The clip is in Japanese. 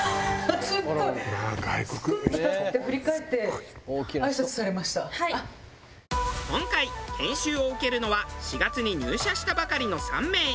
すごい！今回研修を受けるのは４月に入社したばかりの３名。